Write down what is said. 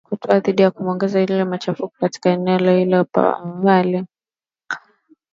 Hatua dhidi ya kuwanyonga ilizua machafuko katika eneo hilo hapo awali